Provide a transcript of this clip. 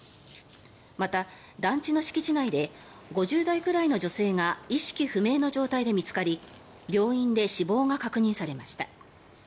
また、団地の敷地内で５０代くらいの女性が意識不明の状態で見つかり病院で死亡が確認されました。